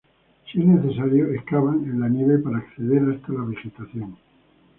Si es necesario, excavan en la nieve para acceder hasta la vegetación.